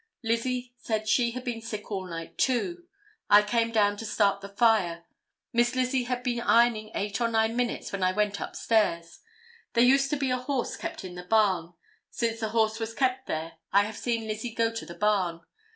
Lizzie said she had been sick all night, too. I came down to start the fire. Miss Lizzie had been ironing eight or nine minutes when I went up stairs. There used to be a horse kept in the barn. Since the horse was kept there, I have seen Lizzie go to the barn.